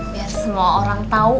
biar semua orang tau